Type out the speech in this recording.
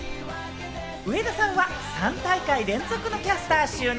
上田さんは３大会連続のキャスター就任。